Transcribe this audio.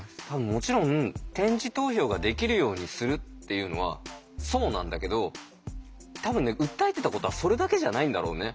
もちろん点字投票ができるようにするっていうのはそうなんだけど多分ね訴えてたことはそれだけじゃないんだろうね。